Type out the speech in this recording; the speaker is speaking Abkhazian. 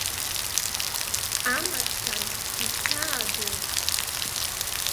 Амаршьан ихьаа ду.